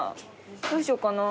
どうしようかな。